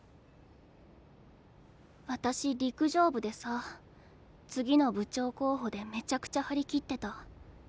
私陸上部でさ次の部長候補でめちゃくちゃ張り切ってた。